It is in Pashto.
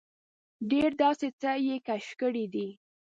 ډېر داسې څه یې کشف کړي دي.